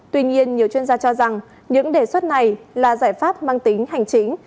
tuy nhiên nhiều chuyên gia cho rằng những đề xuất này là giải pháp mang tính hành chính